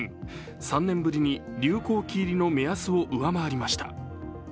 ３年ぶりに流行期入りの目安を上回りました。